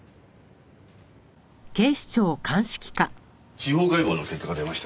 司法解剖の結果が出ました。